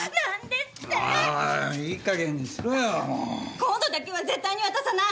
今度だけは絶対に渡さない。